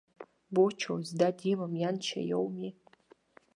Бочо зда димам ианшьа иауми!